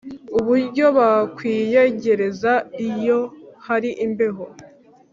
Uburyo bakwiyegereza iyo hari imbeho